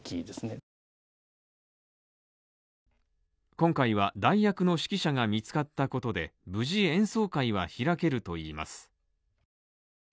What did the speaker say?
今回は、代役の指揮者が見つかったことで、無事、演奏会は開けるといいます。